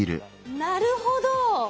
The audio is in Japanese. なるほど！